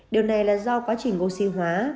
điều này là do quá trình oxy hóa